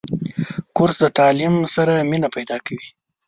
کورس د تعلیم سره مینه پیدا کوي.